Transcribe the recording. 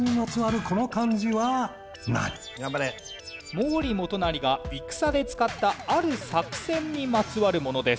毛利元就が戦で使ったある作戦にまつわるものです。